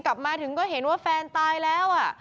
กลับมาถึงก็เห็นว่าแฟนตายแล้ว